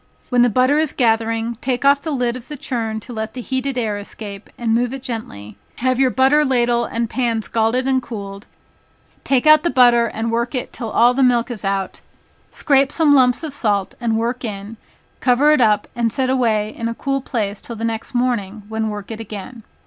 When the butter is gathering, take off the lid of the churn to let the heated air escape, and move it gently, have your butter ladle and pan scalded and cooled, take out the butter and work it till all the milk is out, scrape some lumps of salt, and work in, cover it up, and set away in a cool place till the next morning, when work it again.